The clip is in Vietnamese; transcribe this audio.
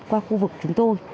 qua khu vực chúng tôi